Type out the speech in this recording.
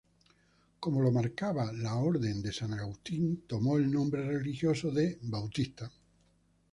Como lo marcaba la orden de San Agustín, tomó el nombre religioso de "Bautista".